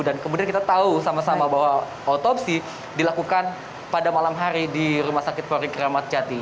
dan kemudian kita tahu sama sama bahwa otopsi dilakukan pada malam hari di rumah sakit kori keramat jati